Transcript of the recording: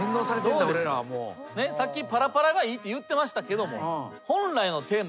さっきパラパラがいいって言ってましたけども本来のテーマ。